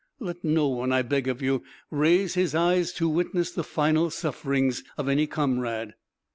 let no one, I beg of you, raise his eyes to witness the final sufferings of any comrade."